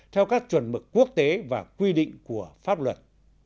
theo các chuẩn mực quốc tế và quy định của pháp luật